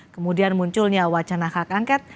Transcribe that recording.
kemudian munculnya wacana hak angket